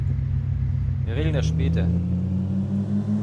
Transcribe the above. Wir regeln das später.